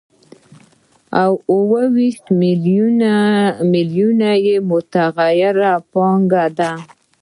او اوه ویشت نیم میلیونه یې متغیره پانګه ده